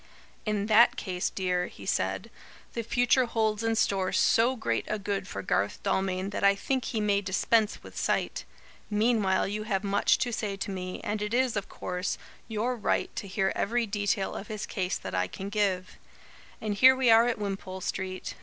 "In that case, dear," he said, "the future holds in store so great a good for Garth Dalmain that I think he may dispense with sight. Meanwhile you have much to say to me, and it is, of course, your right to hear every detail of his case that I can give. And here we are at Wimpole Street.